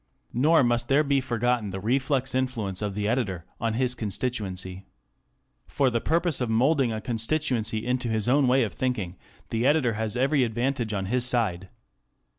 Nor must there be forgotten the reflex influence of the editor on his constituency. For the purpose of moulding a constituency into his own way of thinking, the editor has every advantage on his side.